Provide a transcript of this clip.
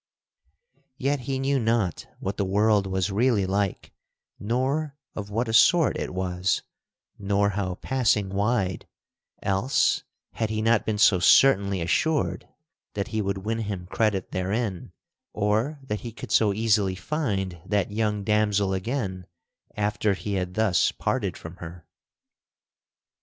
Yet he knew not what the world was really like nor of what a sort it was nor how passing wide, else had he not been so certainly assured that he would win him credit therein, or that he could so easily find that young damsel again after he had thus parted from her.